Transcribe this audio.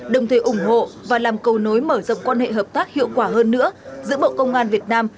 đồng thời ủng hộ và làm cầu nối mở rộng quan hệ hợp tác hiệu quả hơn nữa giữa bộ công an việt nam